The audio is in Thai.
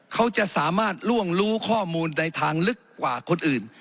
เขาจะสามารถล่วงรู้ข้อมูลในทางลึกกว่าคนอื่น